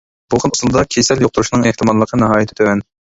بۇ خىل ئۇسۇلدا كېسەل يۇقتۇرۇشنىڭ ئېھتىماللىقى ناھايىتى تۆۋەن.